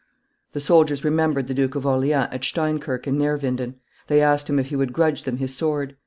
The soldiers remembered the Duke of Orleans at Steinkirk and Neerwinden; they asked him if he would grudge them his sword.